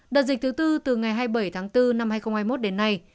đợt dịch thứ tư từ ngày hai mươi bảy tháng bốn năm hai nghìn hai mươi một đến nay